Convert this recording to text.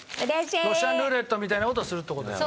ロシアンルーレットみたいな事をするっていう事ね。